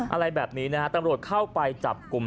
อะไรแบบนี้นะฮะตำรวจเข้าไปจับกลุ่ม